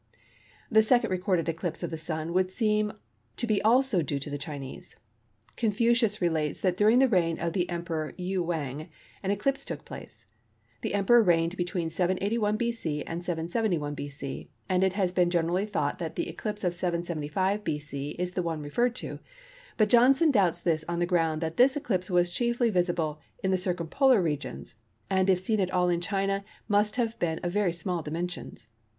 The second recorded eclipse of the Sun would seem to be also due to the Chinese. Confucius relates that during the reign of the Emperor Yew Wang an eclipse took place. This Emperor reigned between 781 B.C. and 771 B.C., and it has been generally thought that the eclipse of 775 B.C. is the one referred to, but Johnson doubts this on the ground that this eclipse was chiefly visible in the circumpolar regions, and if seen at all in China must have been of very small dimensions.